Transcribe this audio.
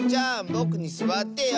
ぼくにすわってよ。